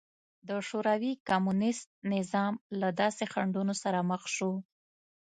د شوروي کمونېست نظام له داسې خنډونو سره مخ شو